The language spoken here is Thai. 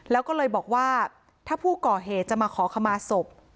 แล้วก็เลยบอกว่าถ้าผู้ก่อเหตุจะมาขอขมาศพ